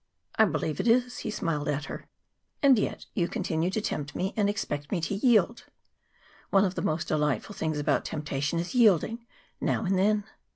"I believe it is." He smiled at her. "And yet, you continue to tempt me and expect me to yield!" "One of the most delightful things about temptation is yielding now and then."